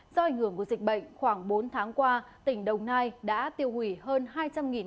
do ảnh hưởng của dịch bệnh khoảng bốn tháng qua tỉnh đồng nai đã tiêu hủy hơn